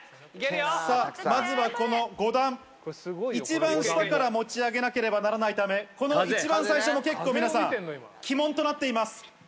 さあ、まずはこの５段、一番下から持ち上げなければならないため、この一番最初、結構皆さん、鬼門となっています。